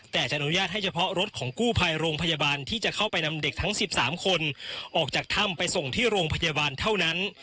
แต่จะอนุญาตให้เฉพาะรถของกู้ภัยโรงพยาบาลที่จะเข้าไปนำเด็กทั้ง๑๓คนออกจากถ้ำไปส่งที่โรงพยาบาลเท่านั้น